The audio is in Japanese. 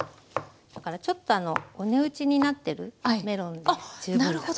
だからちょっとあのお値打ちになってるメロンで十分だと。